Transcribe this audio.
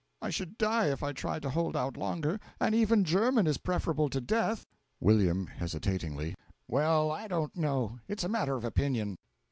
I should die if I tried to hold out longer and even German is preferable to death. W. (Hesitatingly.) Well, I don't know; it's a matter of opinion.